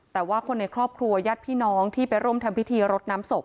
แต่ว่าคนในครอบครัวญาติพี่น้องที่ไปร่วมทำพิธีรดน้ำศพ